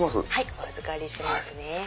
お預かりしますね。